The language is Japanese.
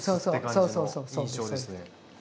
そうそうそうそうそう。